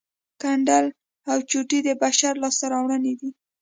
ګنډل او چوټې د بشر لاسته راوړنې دي